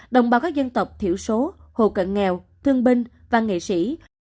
đồng bào các dân tộc thiểu số hộ cận nghèo thương binh và nghệ sĩ